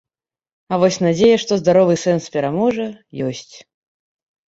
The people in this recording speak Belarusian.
А вось надзея, што здаровы сэнс пераможа, ёсць.